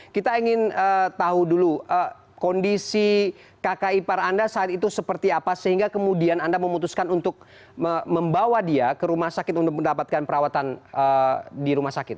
kita ingin tahu dulu kondisi kakak ipar anda saat itu seperti apa sehingga kemudian anda memutuskan untuk membawa dia ke rumah sakit untuk mendapatkan perawatan di rumah sakit